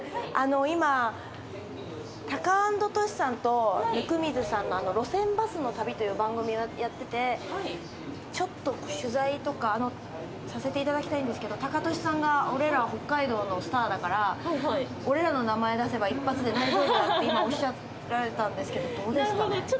今タカアンドトシさんと温水さんの路線バスの旅という番組をやっててちょっと取材とかさせていただきたいんですけどタカトシさんが俺らは北海道のスターだから俺らの名前出せば一発で大丈夫だって今おっしゃられたんですけどどうですかね？